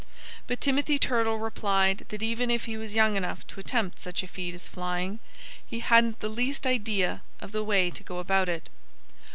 But Timothy Turtle replied that even if he was young enough to attempt such a feat as flying, he hadn't the least idea of the way to go about it.